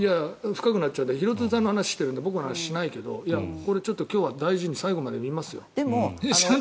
深くなっちゃうので廣津留さんの話をしているので僕の話はしなしけど大事にしながら最後まで見ますよ。